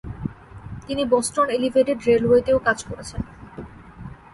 তিনি Boston elevated রেলওয়েতেও কাজ করেছেন।